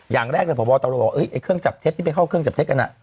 อย่างแรกเลยพบตรบอกเครื่องจับเท็จที่ไปเข้าเครื่องจับเท็จกัน